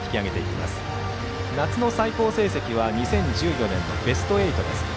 沖縄尚学の夏の最高成績は２０１４年のベスト８です。